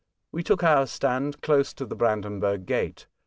We took our stand close to the Bran denburg Gate.